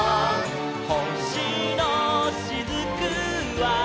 「ほしのしずくは」